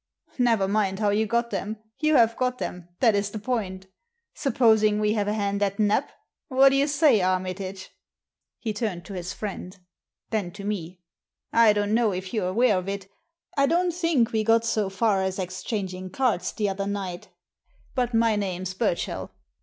"Never mind how you got them, you have got them ; that is the point Supposing we have a hand at Nap, What do you say, Armitage ?" He turned to his friend Then to me : "I don't know if you're aware of it — I don't think we got so far as ex changing cards the other night — ^but my name's Burchell."